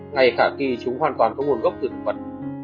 ngày khả kỳ chúng hoàn toàn có nguồn gốc từ thực vật